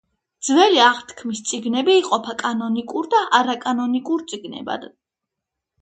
ძველი აღთქმის წიგნები იყოფა კანონიკურ და არაკანონიკურ წიგნებად.